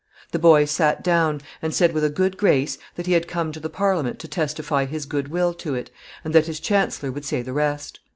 The boy sat down and said with a good grace that he had come to the Parliament to testify his good will to it, and that his chancellor would say the rest.